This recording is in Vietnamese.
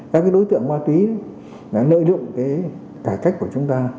các đối tượng ma túy đã lợi lượng cái cải cách của chúng ta